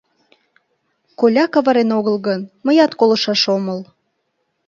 Коля каварен огыл гын, мыят колышаш омыл.